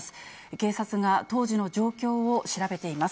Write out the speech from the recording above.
警察が当時の状況を調べています。